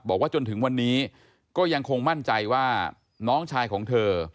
บอกว่าจนถึงวันนี้ก็ยังคงมั่นใจว่าน้องชายของเธอ